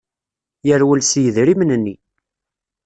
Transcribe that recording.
Yerwel s yidrimen-nni.